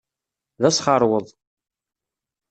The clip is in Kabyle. D asxeṛweḍ.